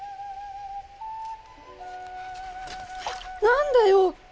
何だよ。